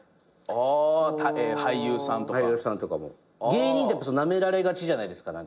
芸人ってなめられがちじゃないですか。